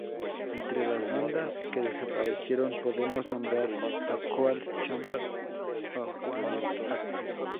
Entre las bandas que desaparecieron, podemos nombrar a Coal Chamber o Guano Apes.